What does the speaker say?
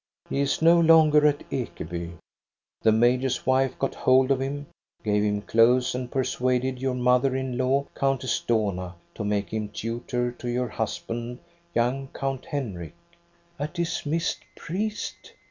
" "He is no longer at Ekeby. The major's wife got hold of him, gave him clothes, and persuaded your mother in law. Countess Dohna, to make him tutor to your husband, young Count Henrik." "A dismissed priest!